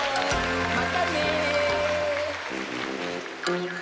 またね。